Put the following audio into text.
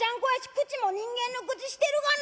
口も人間の口してるがな。